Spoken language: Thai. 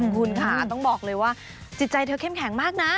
คุณค่ะต้องบอกเลยว่าจิตใจเธอเข้มแข็งมากนะ